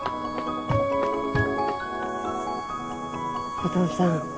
お父さん。